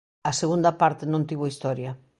A segunda parte non tivo historia.